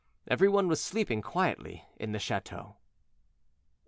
Every one was sleeping quietly in the chateau.